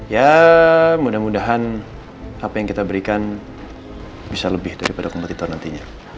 ya mudah mudahan apa yang kita berikan bisa lebih daripada kompetitor nantinya